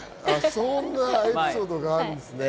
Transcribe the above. そんなエピソードがあるんですね。